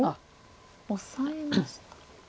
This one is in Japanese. オサえました。